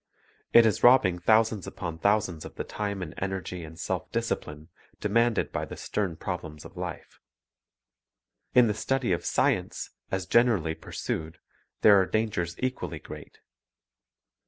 It is robbing thousands upon thousands of the time and energy and self discipline demanded by the stern prob lems of life. In the study of science, as generally pursued, there are dangers equally great.